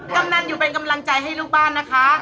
กำนันอยู่เป็นกำลังใจให้ลูกบ้านนะคะ